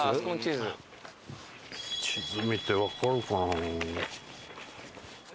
地図見てわかるかな。